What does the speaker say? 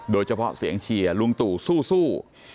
โดยเฉพาะเสียงเชียร์ลุงตู่สู้